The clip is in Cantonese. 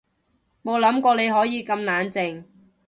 冇諗過你可以咁冷靜